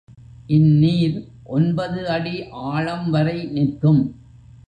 இந்நீர் ஒன்பது அடி ஆழம் வரை நிற்கும்.